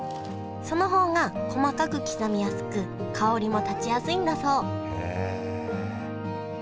その方が細かく刻みやすく香りも立ちやすいんだそうへえ。